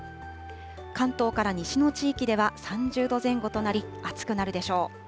関東から西の地域では３０度前後となり、暑くなるでしょう。